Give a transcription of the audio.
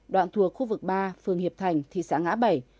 đoạn thuộc khu vực ba phường hiệp thành thị xã ngã bảy